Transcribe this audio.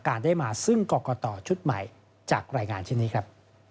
ได้มาซึ่งกรกตชุดใหม่จากรายงานเช่นนี้ครับ